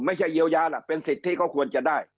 ไม่ใช่เยียวยาล่ะเป็นสิทธิ์ที่เขาควรจะได้